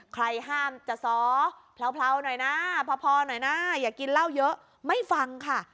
ใครห้ามจะซ้อเผลาหน่อยนะพอหน่อยนะอย่ากินเหล้าเยอะไม่ฟังค่ะ